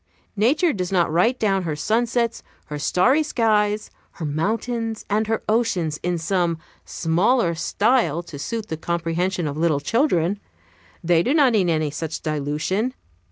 Nature does not write down her sunsets, her starry skies, her mountains, and her oceans in some smaller style, to suit the comprehension of little children; they do not need any such dilution.